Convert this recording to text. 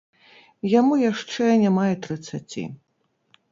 Яму яшчэ няма і трыццаці.